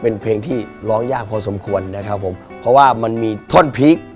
เป็นเพลงที่ร้องยากพอสมควรนะครับผมเพราะว่ามันมีท่อนพีค